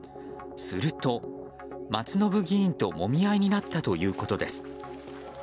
すると、松信議員ともみ合いになったということです。